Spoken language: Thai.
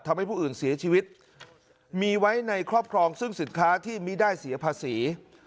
ทำให้ผู้อื่นเสียชีวิตมีไว้ในครอบครองซึ่งสินค้าที่ไม่ได้เสียภาษี